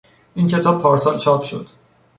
این کتاب پارسال چاپ شد.